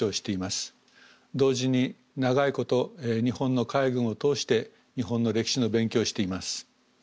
同時に長いこと日本の海軍を通して日本の歴史の勉強をしています。